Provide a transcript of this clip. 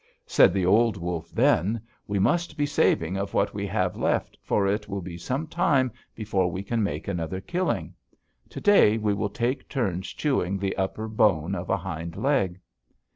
Said the old wolf then: 'We must be saving of what we have left, for it may be some time before we can make another killing. To day we will take turns chewing the upper bone of a hind leg.'